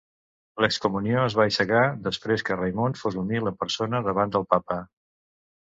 L'excomunió es va aixecar després que Raymond fos humil en persona davant del Papa.